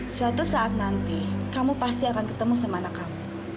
suatu saat nanti kamu pasti akan ketemu sama anak kamu